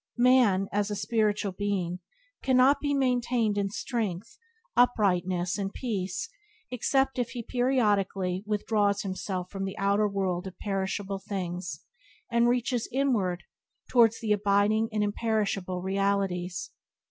Man, as a spiritual being, cannot be maintained in strength, uprightness, and peace except he periodically withdraw himself from the outer world of perishable things and reach Byways to Blessedness by James Allen 56 inwardly towards the abiding and imperishable realities.